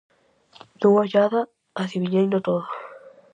Dunha ollada, adiviñeino todo.